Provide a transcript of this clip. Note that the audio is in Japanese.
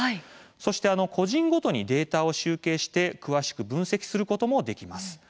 そして個人ごとにデータを集計して詳しく分析することもできます。